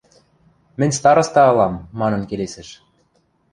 – Мӹнь староста ылам, – манын келесӹш.